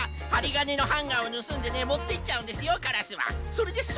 はりがねのハンガーをぬすんでねもっていっちゃうんですよ